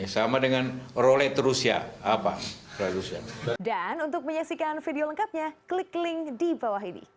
sama dengan rolet rusia